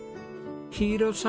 陽色さん